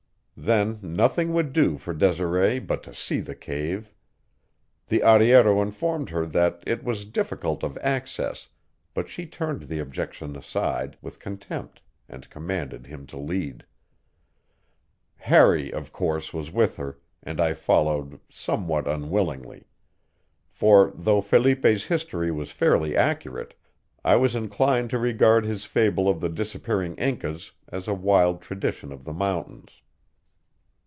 Then nothing would do for Desiree but to see the cave. The arriero informed her that it was difficult of access, but she turned the objection aside with contempt and commanded him to lead. Harry, of course, was with her, and I followed somewhat unwillingly; for, though Felipe's history was fairly accurate, I was inclined to regard his fable of the disappearing Incas as a wild tradition of the mountains.